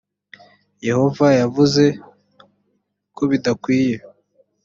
yehova yavuze kobidakwiye